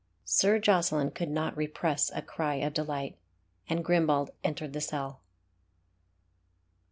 Sir Jocelyn could not repress a cry of delight, and Grimbald entered the cell.